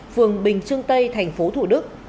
phường bình trưng tây tp thủ đức